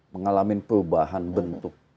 mengalami perubahan bentuk